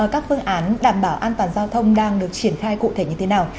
các phương án đảm bảo an toàn giao thông đang được triển khai cụ thể như thế nào